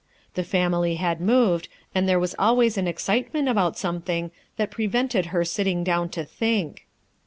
The family had moved, and there was always an excitement about something, that prevented her sitting down to think.